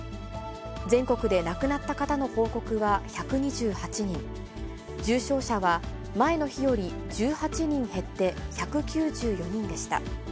全国で亡くなった方の報告は１２８人、重症者は前の日より１８人減って１９４人でした。